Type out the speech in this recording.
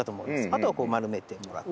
あとは丸めてもらって。